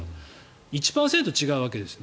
１％違うわけですね。